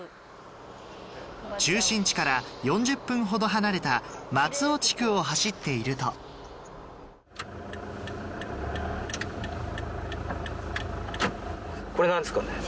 中心地から４０分ほど離れた松尾地区を走っているとこれ何ですか？